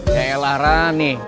yaelah ran nih